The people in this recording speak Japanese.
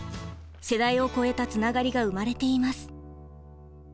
世代を超えたつながりが生まれています。